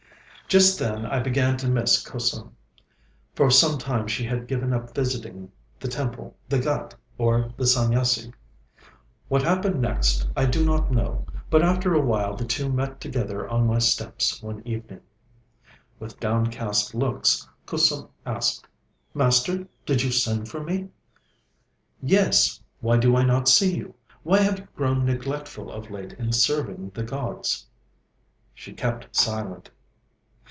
Just then I began to miss Kusum. For some time she had given up visiting the temple, the ghāt, or the Sanyasi. What happened next I do not know, but after a while the two met together on my steps one evening. With downcast looks, Kusum asked: 'Master, did you send for me?' 'Yes, why do I not see you? Why have you grown neglectful of late in serving the gods?' She kept silent.